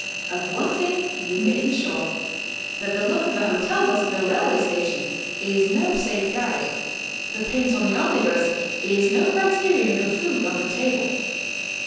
Of one thing you may be sure, — ^that the look of the hotel bus at the railway station is no safe guide. The paint on the omnibus is no criterion of the food on the table.